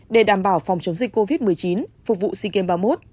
để đảm bảo phòng chống dịch covid một mươi chín phục vụ sikim ba mươi một